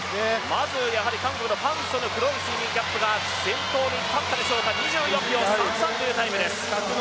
まず、やはり韓国のファン・ソヌ黒い水面キャップ、先頭に立ったでしょうか２４秒３３というタイムです。